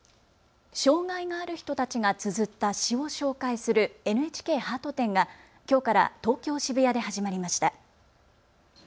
障害がある人たちがつづった詩を紹介するＮＨＫハート展がきょうから東京渋谷で始まりました。